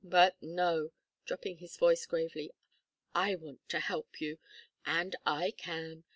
But no," dropping his voice gravely. "I want to help you. And I can.